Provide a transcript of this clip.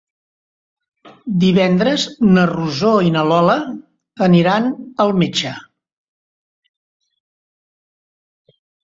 Divendres na Rosó i na Lola aniran al metge.